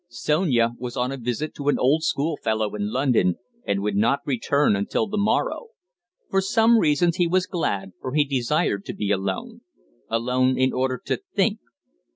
Sonia was on a visit to an old school fellow in London, and would not return until the morrow. For some reasons he was glad, for he desired to be alone alone in order to think.